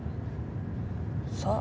さあ？